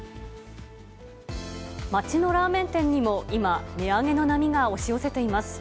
町のラーメン店にも今、値上げの波が押し寄せています。